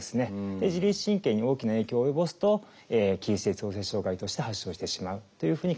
自律神経に大きな影響を及ぼすと起立性調節障害として発症してしまうというふうに考えられています。